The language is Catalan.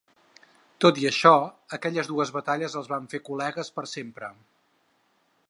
Tot i això, aquelles dues batalles els van fer col·legues per sempre.